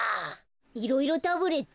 いろいろタブレット？